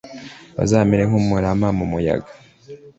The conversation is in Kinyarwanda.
Bazamere nk’umurama mu muyaga